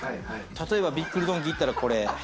例えば、びっくりドンキー行ったら、これ。